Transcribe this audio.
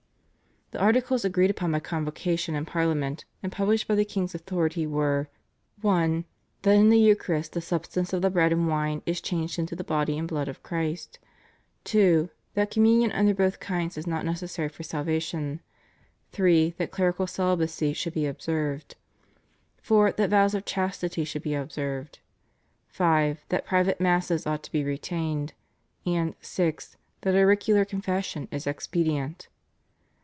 The Articles agreed upon by Convocation and Parliament and published by the king's authority were: (1) that in the Eucharist the substance of the bread and wine is changed into the Body and Blood of Christ; (2) that Communion under both kinds is not necessary for salvation; (3) that clerical celibacy should be observed; (4) that vows of chastity should be observed; (5) that private Masses ought to be retained; and (6) that auricular confession is expedient.